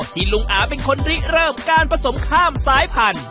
ลุงอาเป็นคนริเริ่มการผสมข้ามสายพันธุ